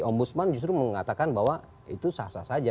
om busman justru mengatakan bahwa itu sah sah saja